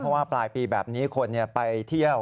เพราะว่าปลายปีแบบนี้คนไปเที่ยว